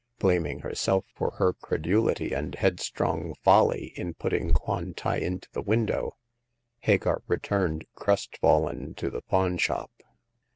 Blaming herself for her credulity and headstrong folly in putting Kwan tai into the window, Hagar returned crestfallen to the pawn shop.